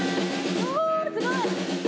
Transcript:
おおすごい！